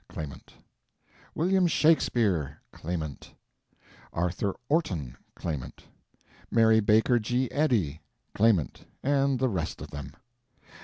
Claimant; William Shakespeare, Claimant; Arthur Orton, Claimant; Mary Baker G. Eddy, Claimant—and the rest of them.